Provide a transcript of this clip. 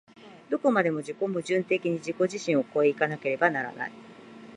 どこまでも自己矛盾的に自己自身を越え行かなければならない。